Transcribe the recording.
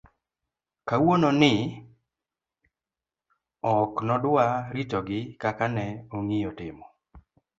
kawuono ni, ok nodwa ritogi kaka ne ong'iyo timo